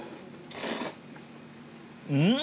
うん！